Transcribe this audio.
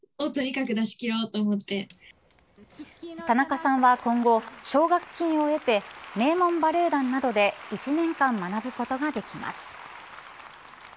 田中さんは今後奨学金を得て名門バレエ団などで１年間学ぶことができます。